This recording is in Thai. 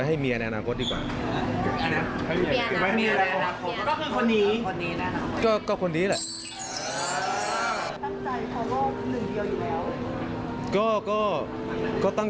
ยังไม่แตกครับยังไม่แต่ง